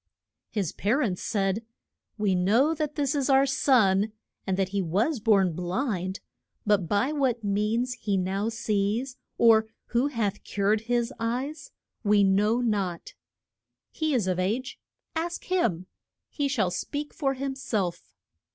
His pa rents said, We know that this is our son, and that he was born blind; but by what means he now sees, or who hath cured his eyes, we know not. He is of age, ask him; he shall speak for him self.